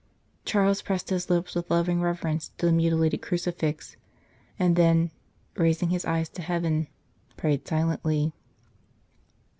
Charles pressed his lips with loving reverence to the mutilated crucifix, and then, raising his eyes to heaven, prayed silently.